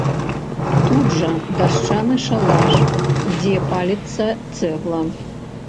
Тут жа дашчаны шалаш, дзе паліцца цэгла.